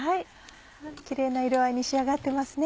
キレイな色合いに仕上がってますね。